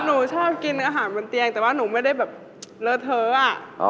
หนูชอบกินอาหารบนเตียงแต่ว่าหนูไม่ได้แบบเลอะเทอะ